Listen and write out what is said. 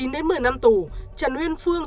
chín đến một mươi năm tù trần huyên phương